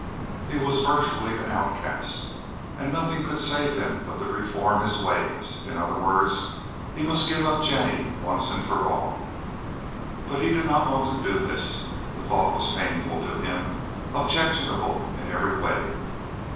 He was virtually an outcast, and nothing could save him but to reform his ways; in other words, he must give up Jennie once and for all. But he did not want to do this. The thought was painful to him—objectionable in every way.